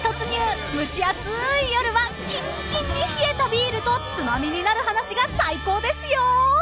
［蒸し暑い夜はキンッキンに冷えたビールと『ツマミになる話』が最高ですよ！］